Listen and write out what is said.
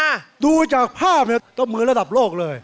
ถ้าดูจากภาพเนี่ยก็เหมือนระดับโลกเลย